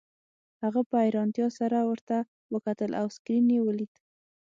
هغه په حیرانتیا سره ورته وکتل او سکرین یې ولید